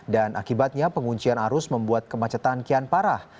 dan akibatnya penguncian arus membuat kemacetan kian parah